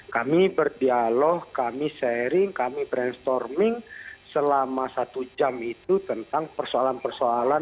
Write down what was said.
kami berdialog kami sharing kami brainstorming selama satu jam itu tentang persoalan persoalan